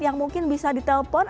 yang mungkin bisa di telepon